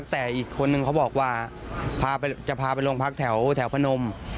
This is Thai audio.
แต่อีกคนนึงเขาบอกว่าจะพาไปโรงพักแถวพนม